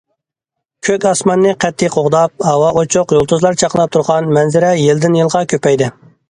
كۆك ئاسماننى قەتئىي قوغداپ، ھاۋا ئوچۇق، يۇلتۇزلار چاقناپ تۇرغان مەنزىرە يىلدىن- يىلغا كۆپەيدى.